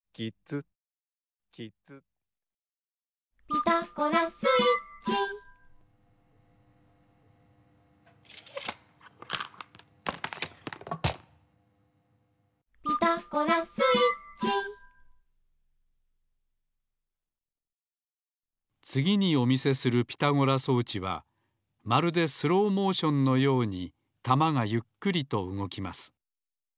「ピタゴラスイッチ」「ピタゴラスイッチ」つぎにお見せするピタゴラ装置はまるでスローモーションのようにたまがゆっくりとうごきます。